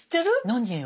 何よ。